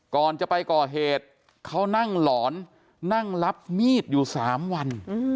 ก่อนจะไปก่อเหตุเขานั่งหลอนนั่งรับมีดอยู่๓วัน